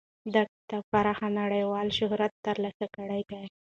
دې کتاب پراخ نړیوال شهرت ترلاسه کړی دی.